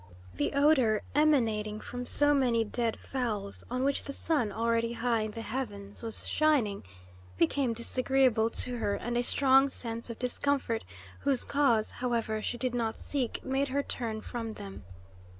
The odour emanating from so many dead fowls, on which the sun, already high in the heavens, was shining, became disagreeable to her, and a strong sense of discomfort, whose cause, however, she did not seek, made her turn from them.